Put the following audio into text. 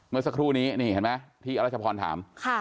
เมื่อสักครู่นี้ทีอรัชพรถาม